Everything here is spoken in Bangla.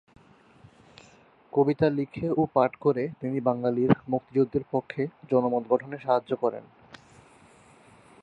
কবিতা লিখে ও পাঠ করে তিনি বাঙালির মুক্তিযুদ্ধের পক্ষে জনমত গঠনে সাহায্য করেন।